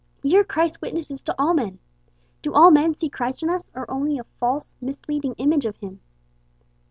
We are Christ's witnesses to all men. Do all men see Christ in us, or only a false, misleading image of him?